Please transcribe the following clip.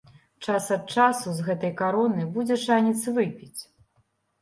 Час ад часу з гэтай кароны будзе шанец выпіць.